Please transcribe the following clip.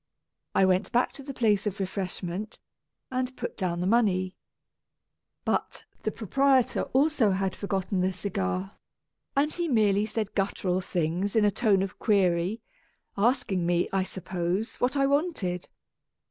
I went back to the place of refreshment, and put down the money. ["7] A Tragedy of Twopence But the proprietor also had forgotten the cigar, and he merely said guttural things in a tone of query, asking me, I suppose, what I wanted.